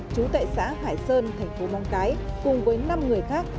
chú tại xã hải sơn thành phố mong cái cùng với năm người khác